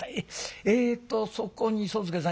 えっとそこに宗助さん